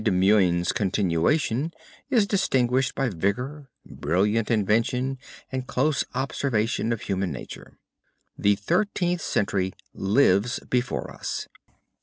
de Meun's continuation is distinguished by vigor, brilliant invention, and close observation of human nature. The Thirteenth Century lives before us."